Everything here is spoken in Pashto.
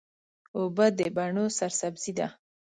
اوبه د بڼو سرسبزي ده.